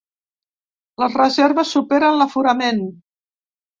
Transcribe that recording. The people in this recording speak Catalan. Les reserves superen l’aforament.